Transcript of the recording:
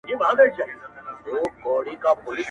قېمتي جامي په غاړه سر تر پایه وو سِنکار,